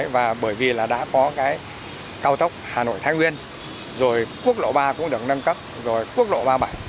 và bởi vì đã có cái cao tốc hà nội thái nguyên rồi quốc lộ ba cũng được nâng cấp rồi quốc lộ ba bảnh